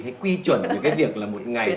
hay quy chuẩn về cái việc là một ngày